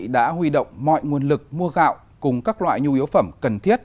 đã huy động mọi nguồn lực mua gạo cùng các loại nhu yếu phẩm cần thiết